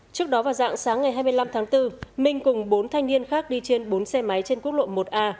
trước đó vào dạng sáng ngày hai mươi năm tháng bốn minh cùng bốn thanh niên khác đi trên bốn xe máy trên quốc lộ một a